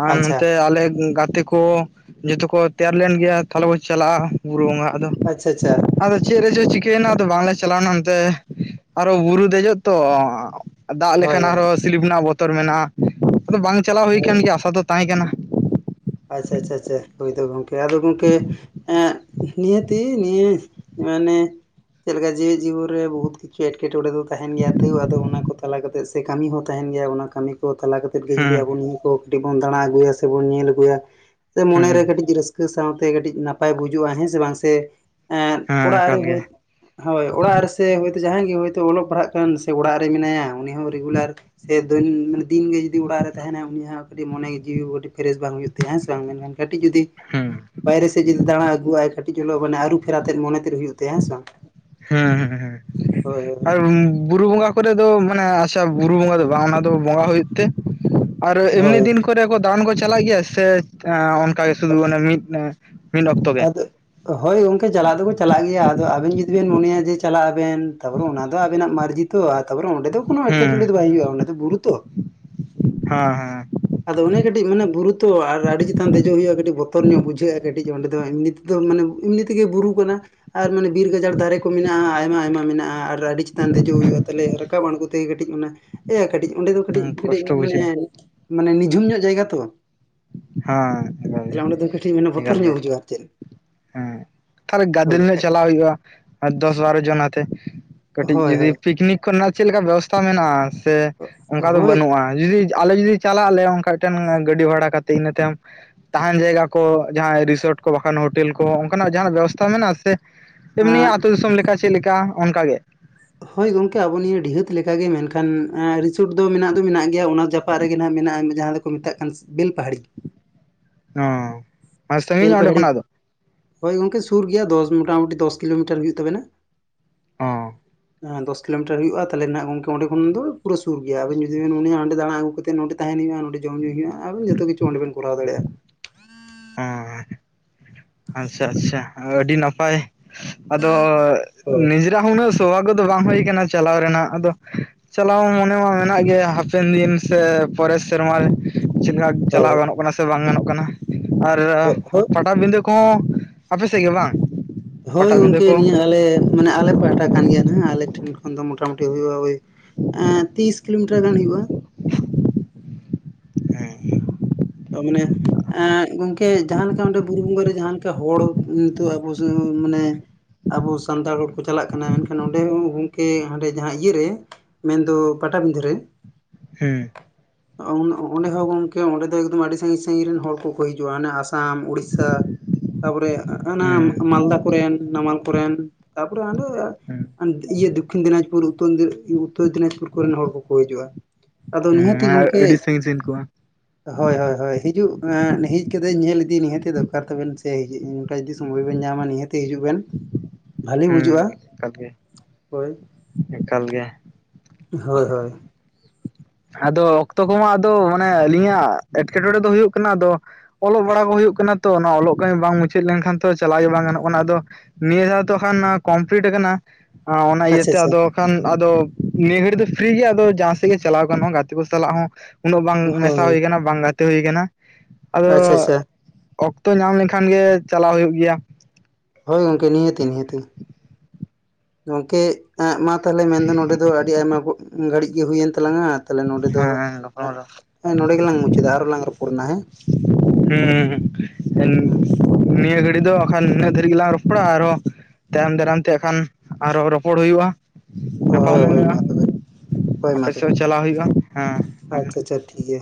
ᱟᱨ ᱟᱪᱪᱷᱟ ᱱᱚᱛᱮ ᱟᱞᱮ ᱜᱟᱛᱮ ᱠᱚ ᱡᱚᱛᱚ ᱠᱚ ᱛᱮᱭᱟᱨ ᱞᱮᱱ ᱜᱮᱭᱟ ᱛᱟᱦᱚᱞᱮ ᱵᱚᱱ ᱪᱟᱞᱟᱜᱼᱟ ᱵᱩᱨᱩ ᱵᱚᱸᱜᱟ ᱟᱫᱚ ᱟᱪᱪᱷᱟ ᱟᱪᱪᱷᱟ ᱟᱫᱚ ᱪᱮᱫ ᱨᱮ ᱪᱚ ᱪᱤᱠᱟᱹᱭᱮᱱᱟ ᱟᱫᱚ ᱵᱟᱝᱞᱮ ᱪᱟᱞᱟᱣᱮᱱᱟ ᱚᱱᱛᱮ ᱟᱨᱚ ᱵᱩᱨᱩ ᱫᱮᱡᱚᱜ ᱛᱚ ᱫᱟᱜ ᱦᱳᱭ ᱞᱮᱠᱷᱟᱱ ᱟᱨᱦᱚᱸ ᱥᱤᱞᱤᱯ ᱨᱮᱱᱟᱜ ᱵᱚᱛᱚᱨ ᱢᱮᱱᱟᱜᱼᱟ ᱟᱫᱚ ᱵᱟᱝ ᱪᱟᱞᱟᱣ ᱦᱩᱭ ᱦᱳᱭ ᱟᱠᱟᱱ ᱜᱮᱭᱟ ᱟᱥᱟ ᱫᱚ ᱛᱟᱦᱮᱸ ᱠᱟᱱᱟ ᱟᱪᱪᱷᱟ ᱟᱪᱪᱷᱟ ᱟᱪᱪᱷᱟ ᱦᱳᱭ ᱫᱚ ᱜᱚᱝᱠᱮ ᱟᱫᱚ ᱜᱚᱝᱠᱮ ᱮ ᱱᱤᱭᱟᱹᱛᱤ ᱱᱤᱭᱟᱹ ᱢᱟᱱᱮ ᱪᱮᱫ ᱞᱮᱠᱟ ᱡᱮᱣᱮᱛ ᱡᱤᱵᱚᱱ ᱨᱮ ᱵᱚᱦᱩᱛ ᱮᱴᱠᱮᱴᱚᱬᱮ ᱫᱚ ᱛᱟᱦᱮᱱ ᱜᱮᱭᱟ ᱛᱟᱹᱣ ᱟᱫᱚ ᱚᱱᱟ ᱠᱚ ᱛᱟᱞᱟ ᱠᱟᱛᱮ ᱥᱮ ᱠᱟᱹᱢᱤ ᱦᱚᱸ ᱛᱟᱦᱮᱱ ᱜᱮᱭᱟ ᱚᱱᱟ ᱠᱟᱹᱢᱤ ᱠᱚ ᱛᱟᱞᱟ ᱠᱟᱛᱮ ᱡᱩᱫᱤ ᱦᱮᱸ ᱟᱵ ᱱᱤᱭᱟᱹ ᱠᱚ ᱠᱟᱹᱴᱤᱡ ᱵᱚᱱ ᱫᱟᱬᱟ ᱟᱹᱜᱩᱭᱟ ᱥᱮᱵᱚᱱ ᱧᱮᱞ ᱟᱹᱜᱩᱭᱟ ᱦᱮᱸ ᱢᱚᱱᱮᱨᱮ ᱠᱟᱹᱴᱤᱡ ᱨᱟᱹᱥᱠᱟᱹ ᱨᱟᱹᱥᱠᱟᱹ ᱥᱟᱶᱛᱮ ᱠᱟᱹᱴᱤᱡ ᱱᱟᱯᱟᱭ ᱵᱩᱡᱩᱜᱼᱟ ᱦᱮᱸ ᱥᱮ ᱵᱟᱝ ᱥᱮ ᱦᱮᱸ ᱚᱲᱟᱜ ᱨᱮ ᱮᱠᱟᱞ ᱜᱮ ᱦᱚ ᱦᱳᱭ ᱚᱲᱟᱜ ᱨᱮᱥᱮ ᱦᱚᱭᱛᱳ ᱡᱟᱦᱟᱸᱭ ᱜᱮ ᱦᱳᱭᱛᱳ ᱚᱞᱚᱜ ᱯᱟᱲᱦᱟᱜ ᱠᱟᱱ ᱥᱮ ᱚᱲᱟᱜ ᱨᱮ ᱢᱮᱱᱟᱭᱟ ᱩᱱᱤ ᱦᱚᱸ ᱨᱮᱜᱩᱞᱟᱨ ᱥᱮ [unintelligible] ᱢᱟᱱᱮ ᱫᱤᱱ ᱜᱮ ᱡᱩᱫᱤ ᱚᱲᱟᱜ ᱨᱮ ᱛᱟᱦᱮᱱᱟ ᱩᱱᱤᱭᱟᱜ ᱠᱟᱹᱴᱤᱡ ᱢᱚᱱᱮ ᱡᱤᱣᱤ ᱯᱷᱨᱮᱥ ᱵᱟᱝ ᱦᱩᱭᱩᱜ ᱦᱮᱸ ᱥᱮ ᱵᱟᱝ ᱢᱮᱱᱠᱷᱟᱱ ᱠᱟᱹᱴᱤᱡ ᱡᱩᱫᱤ ᱦᱮᱸ ᱵᱟᱭᱨᱮ ᱥᱮᱫ ᱡᱩᱫᱤ ᱫᱟᱬᱟ ᱟᱹᱜᱩᱼ ᱟᱭ ᱠᱟᱹᱴᱤᱡ ᱪᱚᱞᱚ ᱢᱟᱱᱮ ᱟᱹᱨᱩ ᱯᱷᱮᱨᱟᱛᱮᱫ ᱢᱚᱱᱮ ᱛᱮᱫ ᱦᱩᱭᱩᱜ ᱛᱟᱭᱟ ᱦᱮᱸᱥ ᱵᱟᱝ ᱦᱩᱸ ᱦᱩᱸ ᱦᱳᱭ ᱦᱩᱸ ᱟᱨ ᱩ ᱵᱩᱨᱩ ᱵᱚᱸᱜᱟ ᱠᱚᱨᱮᱫᱚ ᱢᱟᱱᱮ ᱟᱪᱪᱷᱟ ᱵᱩᱨᱩ ᱵᱚᱸᱜᱟ ᱫᱚ ᱵᱟᱝ ᱚᱱᱟ ᱫᱚ ᱵᱚᱸᱜᱟ ᱦᱩᱭᱩᱜ ᱛᱮ ᱟᱨ ᱮᱢᱱᱤ ᱦᱳᱭ ᱫᱤᱱ ᱠᱚᱨᱮ ᱠᱚ ᱫᱟᱬᱟᱱ ᱠᱚ ᱪᱟᱞᱟᱜ ᱜᱮᱭᱟ ᱥᱮ ᱚᱱ ᱚᱱᱠᱟ ᱥᱩᱫᱩ ᱚᱱᱟ ᱢᱤᱫ ᱢᱤᱫ ᱚᱠᱛᱚ ᱜᱮ ᱟᱫᱚ ᱦᱳᱭ ᱜᱚᱝᱠᱮ ᱪᱟᱞᱟᱜ ᱫᱚᱠᱚ ᱪᱟᱞᱟᱜ ᱜᱮᱭᱟ ᱟᱫᱚ ᱟᱵᱮᱱ ᱡᱩᱫᱤ ᱵᱮᱱ ᱢᱚᱱᱮᱭᱟ ᱡᱮ ᱪᱟᱞᱟᱜ ᱟᱵᱮᱱ ᱛᱟᱯᱚᱨᱮ ᱚᱱᱟ ᱫᱚ ᱟᱵᱮᱱᱟᱜ ᱢᱟᱹᱨᱡᱤ ᱛᱚ ᱛᱟᱯᱚᱨ ᱚᱸᱰᱮ ᱫᱚ ᱠᱚᱱᱚ ᱮᱴᱠᱮᱴᱚᱬᱮ ᱫᱚ ᱵᱟᱝ ᱦᱩᱭᱩᱜᱼᱟ ᱚᱱᱟ ᱫᱚ ᱵᱩᱨᱩ ᱛᱚ ᱦᱟᱸ ᱦᱮᱸ ᱟᱫᱚ ᱚᱱᱮ ᱠᱟᱹᱴᱤᱡ ᱢᱟᱱᱮ ᱵᱩᱨᱩ ᱛᱚ ᱟᱨ ᱟᱹᱰᱤ ᱪᱮᱛᱟᱱ ᱫᱮᱡᱚᱜ ᱦᱩᱭᱩᱜᱼᱟ ᱠᱟᱹᱴᱤᱡ ᱵᱚᱛᱚᱨ ᱧᱚᱜ ᱵᱩᱡᱷᱟᱹᱜᱼᱟ ᱠᱟᱹᱴᱤᱡ ᱚᱸᱰᱮ ᱫᱚ ᱮᱢᱱᱤ ᱫᱚ ᱢᱟᱱᱮ ᱮᱢᱱᱤ ᱛᱮᱜᱮ ᱵᱩᱨᱩ ᱠᱟᱱᱟ ᱟᱨ ᱢᱟᱱᱮ ᱵᱤᱨ ᱜᱟᱡᱟᱲ ᱫᱟᱨᱮ ᱠᱚ ᱢᱮᱱᱟᱜᱼᱟ ᱟᱭᱢᱟ ᱟᱭᱢᱟ ᱢᱮᱱᱟᱜᱼᱟ ᱟᱨ ᱟᱹᱰᱤ ᱪᱮᱛᱟᱱ ᱫᱮᱡᱚᱜ ᱦᱩᱭᱩᱜᱼᱟ ᱛᱟᱦᱟᱞᱮ ᱨᱟᱠᱟᱵ ᱟᱬᱜᱩ ᱛᱮ ᱠᱟᱹᱴᱤᱡ ᱚᱱᱟ ᱮ ᱠᱟᱹᱴᱤᱡ ᱚᱸᱰᱮ ᱫᱚ ᱠᱟᱹᱴᱤᱡ ᱦᱮᱸ ᱠᱟᱹᱴᱤᱡ ᱠᱚᱥᱴᱚ ᱢᱟᱱᱮ ᱵᱩᱡᱷᱟᱹᱜᱼᱟ ᱢᱟᱱᱮ ᱱᱤᱡᱷᱩᱢ ᱧᱚᱜ ᱡᱟᱭᱜᱟ ᱛᱚ ᱦᱟᱸ ᱮᱠᱟᱞ ᱜᱮ ᱛᱟᱦᱚᱞᱮ ᱚᱸᱰᱮ ᱫᱚ ᱠᱟᱹᱴᱤᱡ ᱢᱟᱱᱮ ᱵᱚᱛᱚᱨ ᱮᱠᱟᱞ ᱜᱮ ᱧᱚᱜ ᱵᱩᱡᱩᱜᱼᱟ ᱟᱨ ᱪᱮᱫ ᱦᱮᱸ ᱛᱟᱦᱞᱮ ᱦᱳᱭ ᱜᱟᱫᱮᱞ ᱧᱚᱜ ᱵᱟᱠᱷᱟᱡ ᱪᱟᱞᱟᱣ ᱦᱩᱭᱩᱜᱼᱟ ᱟᱨ ᱫᱚᱥ ᱵᱟᱨᱚ ᱡᱚᱱ ᱟᱛᱮ ᱠᱟᱹᱴᱤᱡ ᱦᱳᱭ ᱡᱩᱫᱤ ᱦᱳᱭ ᱯᱤᱠᱱᱤᱠ ᱠᱚᱨᱮᱱᱟᱜ ᱪᱮᱫ ᱞᱮᱠᱟ ᱵᱮᱵᱚᱥᱛᱟ ᱢᱮᱱᱟᱜᱼᱟ? ᱥᱮ ᱚᱱᱠᱟ ᱫᱚ ᱦᱳᱭ ᱵᱟᱹᱱᱩᱜᱼᱟ ᱡᱩᱫᱤ ᱟᱞᱮ ᱡᱩᱫᱤ ᱪᱟᱞᱟᱜ ᱟᱞᱮ ᱚᱱᱠᱟ ᱢᱤᱫᱴᱮᱱ ᱜᱟᱹᱰᱤ ᱵᱷᱟᱲᱟ ᱠᱟᱛᱮ ᱤᱱᱟᱹ ᱛᱟᱭᱚᱢ ᱛᱟᱦᱮᱱ ᱡᱟᱭᱜᱟ ᱠᱚ ᱡᱟᱦᱟᱸᱭ ᱨᱤᱥᱚᱴ ᱠᱚ ᱵᱟᱠᱷᱟᱱ ᱦᱳᱴᱮᱞ ᱠᱚ ᱚᱱᱠᱟᱱᱟᱜ ᱡᱟᱦᱟᱸᱱᱟᱜ ᱵᱮᱵᱚᱥᱛᱟ ᱢᱮᱱᱟᱜᱼᱟ ᱥᱮ ᱮᱢᱱᱤ ᱟᱸ ᱟᱹᱛᱩ ᱫᱤᱥᱚᱢ ᱞᱮᱠᱟ ᱪᱮᱫᱞᱮᱠᱟ ᱚᱱᱠᱟᱜᱮ ᱦᱳᱭ ᱜᱚᱢᱠᱮ ᱟᱵᱚ ᱱᱤᱭᱟᱹ ᱰᱤᱦᱟᱹᱛ ᱞᱮᱠᱟᱜᱮ ᱢᱮᱱᱠᱷᱟᱱ ᱨᱤᱥᱳᱴ ᱫᱚ ᱢᱮᱱᱟᱜ ᱫᱚ ᱢᱮᱱᱟᱜ ᱜᱮᱭᱟ ᱚᱱᱟ ᱡᱟᱯᱟᱜ ᱨᱮᱜᱮ ᱱᱟᱦᱟᱜ ᱢᱮᱱᱟᱜᱼᱟ ᱡᱟᱦᱟᱸ ᱫᱚ ᱠᱚ ᱢᱮᱛᱟᱜ ᱠᱟᱱ ᱵᱮᱞ ᱯᱟᱦᱟᱲᱤ ᱚᱸ ᱵᱮᱞᱯᱟᱦᱟᱲᱤ ᱦᱳᱭ ᱜᱚᱝᱠᱮ ᱥᱩᱨ ᱜᱮᱭᱟ ᱫᱚᱥ ᱢᱳᱴᱟᱢᱩᱴᱤ ᱫᱚᱥ ᱠᱤᱞᱳᱢᱤᱴᱟᱨ ᱦᱩᱭᱩᱜ ᱛᱟᱵᱮᱱᱟ᱾ ᱚᱸ ᱫᱚᱥ ᱠᱤᱞᱳᱢᱤᱴᱟᱨ ᱦᱩᱭᱩᱜᱼᱟ ᱛᱟᱦᱚᱞᱮ ᱱᱟᱜ ᱜᱚᱝᱠᱮ ᱚᱸᱰᱮ ᱠᱷᱚᱱ ᱫᱚ ᱯᱩᱨᱟᱹ ᱥᱩᱨ ᱜᱮᱭᱟ ᱟᱵᱮᱱ ᱡᱩᱫᱤ ᱵᱮᱱ ᱢᱚᱱᱮᱭᱟ ᱚᱸᱰᱮ ᱫᱟᱬᱟ ᱟᱜᱩ ᱠᱟᱛᱮ ᱱᱚᱰᱮ ᱛᱟᱦᱮᱱ ᱦᱩᱭᱩᱜᱼᱟ᱾ ᱡᱚᱢ ᱧᱩ ᱦᱩᱭᱩᱜᱼᱟ ᱟᱨ ᱡᱚᱛᱚ ᱠᱤᱪᱷᱩ ᱚᱸᱰᱮ ᱵᱮᱱ ᱠᱚᱨᱟᱣ ᱫᱟᱲᱮᱭᱟᱜᱼᱟ᱾ ᱚᱸ ᱟᱪᱪᱷᱟ ᱟᱪᱪᱷᱟ ᱟᱹᱰᱤ ᱱᱟᱯᱟᱭ ᱟᱫᱚ ᱦᱳᱭ ᱱᱤᱡᱮ ᱩᱱᱟᱹᱜ ᱥᱳᱵᱷᱟᱜᱜᱚ ᱫᱚ ᱵᱟᱝ ᱦᱩᱭ ᱠᱟᱱᱟ ᱪᱟᱞᱟᱣ ᱨᱮᱱᱟᱜ ᱟᱫᱚ ᱪᱟᱞᱟᱣ ᱢᱚᱱᱮ ᱢᱟ ᱢᱮᱱᱟᱜ ᱜᱮ ᱦᱟᱯᱮᱱ ᱫᱤᱱ ᱥᱮ ᱯᱚᱨᱮᱨ ᱥᱮᱨᱢᱟ ᱨᱮ ᱪᱮᱫ ᱞᱮᱠᱟ ᱦᱳᱭ ᱪᱟᱞᱟᱣ ᱜᱟᱱᱚᱜ ᱠᱟᱱᱟ ᱥᱮ ᱵᱟᱝ ᱜᱟᱱᱚᱜ ᱠᱟᱱᱟ ᱟᱨ ᱦᱳᱭ ᱯᱟᱴᱟᱵᱤᱸᱰᱟᱹ ᱠᱚ ᱟᱯᱮ ᱥᱮᱫ ᱜᱮ ᱵᱟᱝ ᱦᱳᱭ ᱯᱟᱴᱟᱵᱤᱸᱫᱟᱹ ᱜᱚᱝᱠᱮ ᱠᱚ ᱱᱤᱭᱟᱹ ᱟᱞᱮ ᱢᱟᱱᱮ ᱟᱞᱮ ᱯᱟᱦᱴᱟ ᱠᱟᱱ ᱜᱮᱭᱟ ᱱᱟᱸᱦᱟᱜ ᱟᱞᱮ ᱴᱷᱮᱱ ᱠᱷᱚᱱ ᱫᱚ ᱢᱚᱴᱟᱢᱩᱴᱤ ᱦᱩᱭᱩᱜᱼᱟ ᱳᱭ ᱛᱤᱥ ᱠᱤᱞᱳᱢᱤᱴᱟᱨ ᱜᱟᱱ ᱦᱩᱭᱩᱜᱼᱟ᱾ ᱳ ᱢᱟᱱᱮ ᱮᱸ ᱜᱚᱝᱠᱮ ᱡᱟᱦᱟᱸᱮᱠᱟ ᱚᱸᱰᱮ ᱵᱩᱨᱩ ᱵᱚᱸᱜᱟᱨᱮ ᱡᱟᱦᱟᱸ ᱞᱮᱠᱟ ᱦᱚᱲ ᱱᱤᱛᱚᱜ ᱟᱵᱚ ᱥᱮ ᱢᱟᱱᱮ ᱟᱵᱚ ᱥᱟᱱᱛᱟᱲ ᱦᱚᱲ ᱠᱚ ᱪᱟᱞᱟᱜ ᱠᱟᱱᱟ ᱢᱮᱱᱠᱷᱟᱱ ᱚᱸᱰᱮ ᱦᱚᱸ ᱜᱚᱝᱠᱮ ᱦᱟᱸᱰᱮ ᱡᱟᱦᱟᱸ ᱤᱭᱟᱹᱨᱮ ᱢᱮᱱ ᱫᱚ ᱯᱟᱴᱟᱵᱤᱸᱫᱟᱹ ᱨᱮ ᱦᱩᱸ ᱳ ᱚᱸᱰᱮ ᱦᱚᱸ ᱜᱚᱝᱠᱮ ᱚᱸᱰᱮ ᱮᱠᱫᱚᱢ ᱟᱹᱰᱤ ᱥᱟᱺᱜᱤᱧ ᱥᱟᱺᱜᱤᱧ ᱨᱤᱱ ᱦᱚᱲ ᱠᱚᱠᱚ ᱦᱤᱡᱩᱜᱼᱟ ᱚᱱᱮ ᱟᱥᱟᱢ ᱩᱲᱤᱥᱥᱟ ᱛᱟᱯᱚᱨᱮ ᱚᱱᱟ ᱦᱩᱸ ᱢᱟᱞᱫᱟ ᱠᱚᱨᱮᱱ ᱱᱟᱢᱟᱞ ᱠᱚᱨᱮᱱ ᱛᱟᱯᱚᱨᱮ ᱟᱸᱜ ᱦᱩᱸ ᱟᱨ ᱤᱭᱟᱹ ᱫᱚᱠᱠᱷᱤᱱ ᱫᱤᱱᱟᱡᱽᱯᱩᱨ ᱩᱛᱚᱨ ᱫᱤᱱᱟᱡᱽᱯᱩᱨ ᱠᱚᱨᱮᱱ ᱦᱚᱲ ᱠᱚᱠᱚ ᱦᱤᱡᱩᱜᱼᱟ᱾ ᱟᱫᱚ ᱱᱤᱦᱟᱹᱛᱤ ᱜᱚᱝᱠᱮ ᱱᱤᱡᱤᱱ ᱠᱚᱣᱟ ᱦᱳᱭ ᱦᱳᱭ ᱦᱳᱭ ᱦᱤᱡᱩᱜᱽ ᱮ ᱦᱮᱡᱽ ᱠᱟᱛᱮᱫ ᱧᱮᱞ ᱤᱫᱤ ᱱᱤᱦᱟᱹᱛᱤ ᱫᱚᱨᱠᱟᱨ ᱛᱟᱵᱮᱱ ᱥᱮ ᱦᱮᱸ ᱠᱮ ᱡᱩᱫᱤ ᱥᱳᱢᱳᱭ ᱵᱮᱱ ᱧᱟᱢᱟ ᱱᱤᱦᱟᱹᱛᱮ ᱦᱤᱡᱩᱜ ᱵᱮᱱ ᱵᱷᱟᱹᱞᱤ ᱦᱩᱸ ᱵᱩᱡᱷᱟᱹᱜᱼᱟ ᱮᱠᱟᱞ ᱜᱮ ᱦᱳᱭ ᱮᱠᱟᱞ ᱜᱮ ᱦᱳᱭ ᱦᱳᱭ ᱟᱫᱚ ᱚᱠᱛᱚ ᱠᱚᱢᱟ ᱟᱫᱚ ᱢᱟᱱᱮ ᱟᱹᱞᱤᱧᱟᱜ ᱮᱴᱠᱮᱴᱚᱬᱮ ᱫᱚ ᱦᱩᱭᱩᱜ ᱠᱟᱱᱟ ᱟᱫᱚ ᱚᱞᱚᱜ ᱵᱟᱲᱟ ᱠᱚ ᱦᱩᱭᱩᱜ ᱠᱟᱱᱟ ᱛᱚ ᱚᱱᱟ ᱚᱞᱚᱜ ᱠᱟᱹᱢᱤ ᱵᱟᱝ ᱢᱩᱪᱟᱹᱫ ᱞᱮᱱᱠᱷᱟᱱ ᱛᱚ ᱪᱟᱞᱟᱶ ᱜᱮ ᱵᱟᱝ ᱜᱟᱱᱚᱜ ᱠᱟᱱᱟ ᱟᱫᱚ ᱱᱤᱭᱟᱹ ᱫᱷᱟᱣ ᱛᱚ ᱠᱷᱟᱱ ᱠᱚᱢᱯᱞᱤᱴ ᱟᱠᱱᱟ᱾ ᱚᱱᱟ ᱟᱪᱪᱷᱟ ᱤᱭᱟᱹᱛᱮ ᱟᱪᱪᱷᱟ ᱟᱫᱚ ᱠᱷᱟᱱ ᱟᱫᱚ ᱱᱤᱭᱟᱹ ᱜᱷᱟᱹᱲᱤ ᱫᱚ ᱯᱷᱤᱨᱤ ᱜᱮ ᱟᱫᱚ ᱡᱟᱦᱟᱸ ᱥᱮᱫ ᱜᱮ ᱪᱟᱞᱟᱣ ᱜᱟᱱᱚᱜᱼᱟ ᱜᱟᱛᱮ ᱠᱚ ᱥᱟᱞᱟᱜ ᱦᱚᱸ ᱩᱱᱟᱹᱜ ᱵᱟᱝ ᱢᱮᱥᱟ ᱦᱳᱭ ᱦᱩᱭ ᱠᱟᱱᱟ ᱵᱟᱝ ᱜᱟᱛᱮ ᱦᱩᱭ ᱠᱟᱱᱟ᱾ ᱟᱫᱚ ᱟᱪᱪᱷᱟ ᱟᱪᱪᱷᱟ ᱚᱠᱛᱚ ᱧᱟᱢ ᱞᱮᱱᱠᱷᱟᱱ ᱜᱮ ᱪᱟᱞᱟᱣ ᱦᱳᱭᱩᱜ ᱜᱮᱭᱟ᱾ ᱦᱳᱭ ᱜᱚᱝᱠᱮ ᱱᱤᱦᱟᱹᱛᱤ ᱱᱤᱦᱟᱹᱛᱤ ᱜᱚᱝᱠᱮ ᱢᱟ ᱛᱟᱦᱞᱮ ᱢᱮᱱ ᱫᱚ ᱱᱚᱰᱮ ᱫᱚ ᱟᱹᱰᱤ ᱟᱭᱢᱟ ᱜᱷᱟᱹᱲᱤᱡᱽ ᱜᱮ ᱦᱩᱭᱮᱱ ᱛᱟᱞᱟᱝᱼᱟ᱾ ᱛᱟᱦᱞᱮ ᱱᱚᱰᱮ ᱫᱚ ᱦᱮᱸ ᱨᱚᱯᱚᱲ ᱱᱚᱰᱮ ᱜᱮᱞᱟᱝ ᱢᱩᱪᱟᱹᱫᱟ ᱟᱨᱚ ᱞᱟᱝ ᱨᱚᱯᱚᱲ ᱱᱟ ᱦᱮᱸ ᱦᱩᱸ ᱻᱱᱮᱸ ᱦᱩᱸ ᱱᱤᱭᱟᱹ ᱜᱷᱟᱹᱲᱤ ᱫᱚ ᱵᱟᱠᱷᱟᱱ ᱱᱤᱱᱟᱹᱜ ᱫᱷᱟᱹᱨᱤᱡ ᱜᱮᱞᱟᱝ ᱨᱚᱯᱚᱲᱟ ᱟᱨᱦᱚᱸ ᱛᱟᱭᱚᱢ ᱫᱟᱨᱟᱢ ᱛᱮ ᱦᱟᱸᱜ ᱠᱷᱟᱱ ᱟᱨᱦᱚᱸ ᱨᱚᱯᱚᱲ ᱦᱩᱭᱩᱜᱼᱟ᱾ ᱧᱟᱯᱟᱢᱚ ᱦᱳᱭ ᱦᱳᱭ ᱦᱩᱭᱩᱜᱼᱟ ᱢᱟ ᱛᱚᱵᱮ ᱦᱳᱭ ᱢᱟ ᱟᱯᱮ ᱛᱚᱵᱮ ᱥᱮᱫ ᱪᱟᱞᱟᱣ ᱦᱩᱭᱩᱜᱼᱟ ᱦᱮᱸ ᱦᱮᱸ᱾ ᱟᱪᱪᱷᱟ ᱟᱪᱪᱷᱟ ᱴᱷᱤᱠ ᱜᱮᱭᱟ